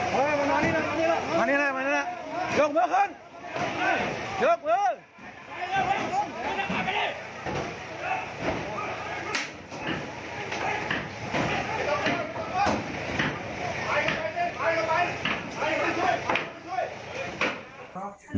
มันนี่แหละมันนี่แหละยกเมืองขึ้นยกเมือง